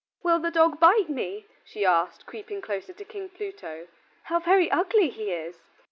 "Will the dog bite me?" she asked, creeping closer to King Pluto. "How very ugly he is."